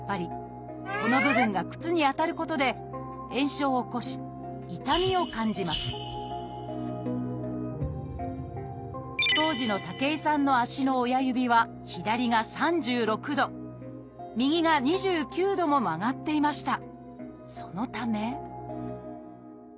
この部分が靴に当たることで炎症を起こし痛みを感じます当時の武井さんの足の親指は左が３６度右が２９度も曲がっていました。